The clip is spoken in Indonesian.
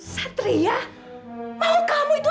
satria mau kamu itu apa sih hah